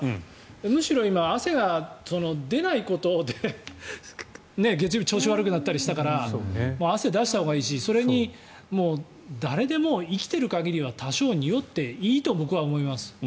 むしろ今、汗が出ないことで月曜日に調子悪くなったりしたから汗を出したほうがいいしそれに、誰でも生きている限りは多少、におっていいと僕は思います。